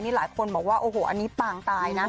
หลายคนบอกว่าโอ้โหอันนี้ปางตายนะ